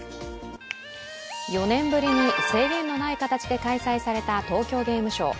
４年ぶりに制限のない形で開催された東京ゲームショウ。